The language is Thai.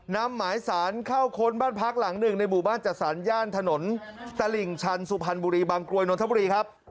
นำหมายสารเข้าค้นบ้านพักหลังหนึ่งในหมู่บ้านจัดสรรย่านถนนตลิ่งชันสุพรรณบุรีบางกรวยนนทบุรีครับ